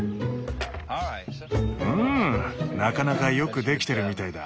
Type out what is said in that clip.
うんなかなかよくできてるみたいだ。